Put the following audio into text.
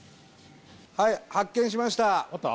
はい発見しました